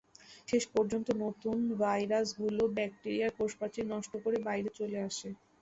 শেষ পর্যন্ত নতুন ভাইরাসগুলো ব্যাকটেরিয়ার কোষপ্রাচীর নষ্ট করে বাইরে চলে আসে।